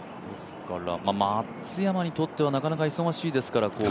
松山にとってはなかなか忙しいですから。